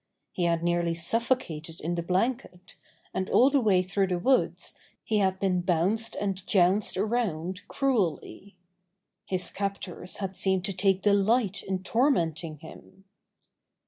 He had nearly suffocated in the blanket, and all the way through the woods he had been bounced and jounced around cruelly. His captors had seemed to take delight in tor menting him.